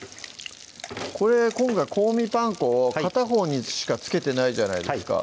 これ今回「香味パン粉」を片方にしか付けてないじゃないですか